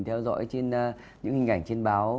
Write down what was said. theo dõi trên những hình ảnh trên báo